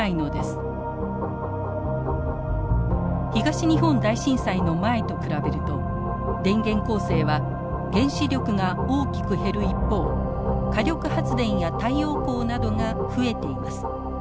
東日本大震災の前と比べると電源構成は原子力が大きく減る一方火力発電や太陽光などが増えています。